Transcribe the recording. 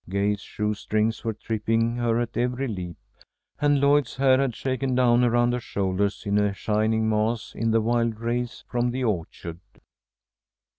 Gay's shoe strings were tripping her at every leap, and Lloyd's hair had shaken down around her shoulders in a shining mass in the wild race from the orchard.